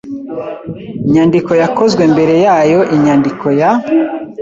nyandiko yakozwe mbere yayo inyandiko ya